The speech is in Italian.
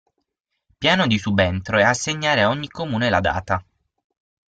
Piano di subentro e assegnare a ogni Comune la data.